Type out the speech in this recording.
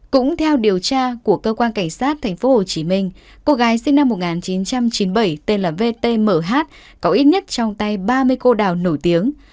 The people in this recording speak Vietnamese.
cũng theo điều tra của cơ quan cảnh sát tp hcm cô gái sinh năm một nghìn chín trăm chín mươi bảy tên là vtmh có ít nhất trong tay ba mươi cô đào nổi tiếng